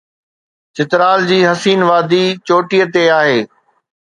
چترال جي حسين وادي چوٽيءَ تي آهي.